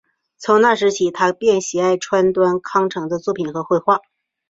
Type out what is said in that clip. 从那时起他便喜爱川端康成的作品和绘画。